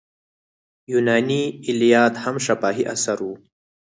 یوناني ایلیاد هم شفاهي اثر و.